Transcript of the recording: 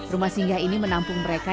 rumah singgah ini menampung mereka